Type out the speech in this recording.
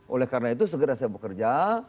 oleh karena itu segera saya bekerja